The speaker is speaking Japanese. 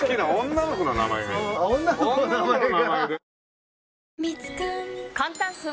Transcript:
女の子の名前が。